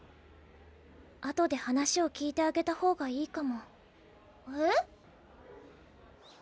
あとで話を聞いてあげたほうがいいかもえっ？